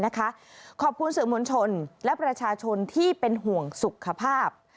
ขอบคุณสื่อมวลชนและประชาชนที่เป็นห่วงสุขภาพ